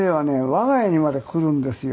我が家にまで来るんですよ。